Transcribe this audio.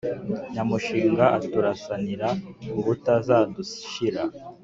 nyamushinga aturasanira ubutazadushira,